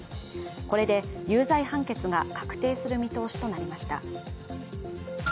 これで有罪判決が確定する見通しとなりました。